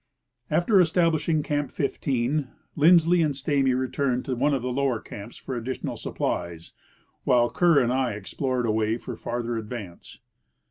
After establishing Camp 15, Lindsley and Stamy returned to one of the lower camps for additional supplies, while Kerr and I explored a way for farther advance.